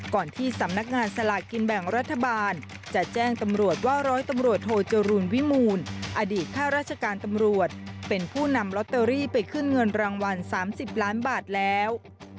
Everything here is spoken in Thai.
ที่สำนักงานสลากกินแบ่งรัฐบาลจะแจ้งตำรวจว่าร้อยตำรวจโทจรูลวิมูลอดีตข้าราชการตำรวจเป็นผู้นำลอตเตอรี่ไปขึ้นเงินรางวัล๓๐ล้านบาทแล้ว